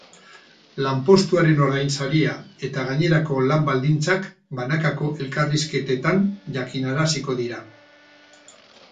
Lanpostuaren ordainsaria eta gainerako lan-baldintzak banakako elkarrizketetan jakinaraziko dira.